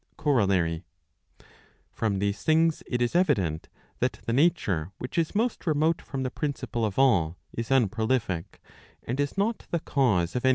«. COROLLARY. From these things it is evident, that the nature which is most remote from the principle of all, is unprolific, and is not the cause of any thing.